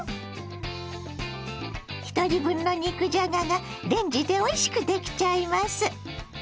ひとり分の肉じゃががレンジでおいしくできちゃいます。